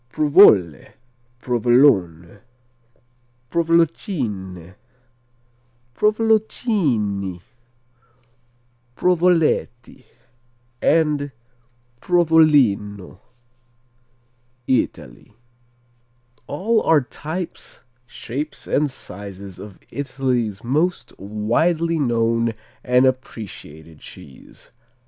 Provole, Provolone, Provolocine, Provoloncinni, Provoletti, and Provolino Italy All are types, shapes and sizes of Italy's most widely known and appreciated cheese.